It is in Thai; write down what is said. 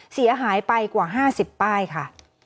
เสียหายไปกว่า๕๐ป้ายค่ะ